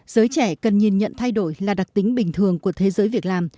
giới trẻ cần nhìn nhận thay đổi là đặc tính bình thường của thế giới việc làm